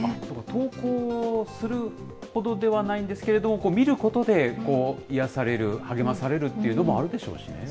投稿するほどではないんですけれど、見ることで癒やされる、励まされるっていうのもあるでしょうしね。